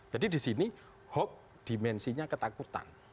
jadi di sini hoax dimensinya ketakutan